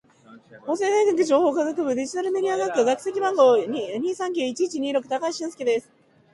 気球のどこかがやぶれて、ガスがもれているようすです。今まではりきっていた黒い気球に、少しずつしわがふえていくではありませんか。